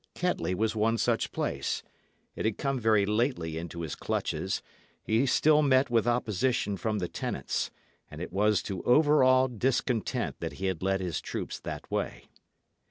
Kettley was one such place; it had come very lately into his clutches; he still met with opposition from the tenants; and it was to overawe discontent that he had led his troops that way.